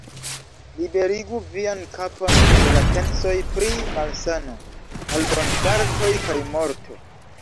Liberigu vian kapon de la pensoj pri malsano, malbonfartoj kaj morto.